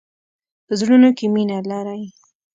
په زړونو کې مینه لری.